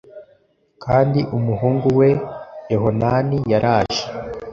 kandi umuhungu we Yehohanani yaraje